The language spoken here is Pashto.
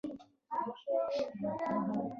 د نورو فرهنګونو تجربه د ارزښت نښه ده.